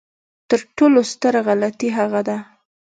تر ټولو ستره غلطي هغه ده.